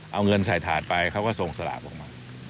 เอาเงินใส่ถาดไปเขาก็ส่งสลากออกมา